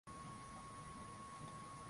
wakipunguza thamani ya sarafu zao